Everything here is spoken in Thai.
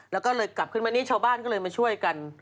แล้วก็เลยกลับขึ้นมานี่ชาวบ้านก็เลยมาช่วยกัน